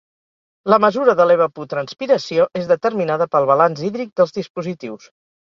La mesura de l'evapotranspiració és determinada pel balanç hídric dels dispositius.